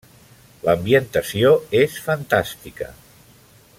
L'ambientació és fantàstica.